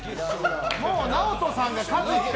もうＮＡＯＴＯさんが勝つって！